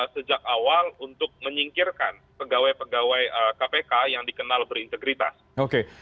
sejak awal untuk menyingkirkan pegawai pegawai kpk yang dikenal berintegritas oke